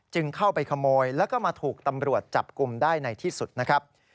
เข้าไปขโมยแล้วก็มาถูกตำรวจจับกลุ่มได้ในที่สุดนะครับ